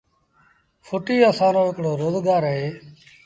ڦُٽيٚ اسآݩ رو هڪڙو روز گآر اهي